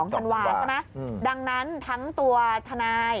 ธันวาใช่ไหมดังนั้นทั้งตัวทนาย